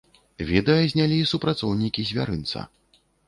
Відэа знялі супрацоўнікі звярынца.